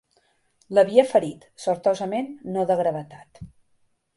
L'havia ferit, sortosament no de gravetat.